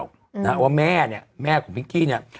ว่าแม่เนี่ยแม่ของพิงกี้เนี่ย